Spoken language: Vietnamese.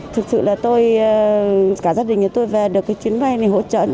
thực sự là tôi cả gia đình nhà tôi về được cái chuyến bay này hỗ trợ